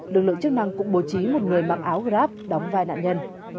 lực lượng chức năng cũng bố trí một người mặc áo grab đóng vai nạn nhân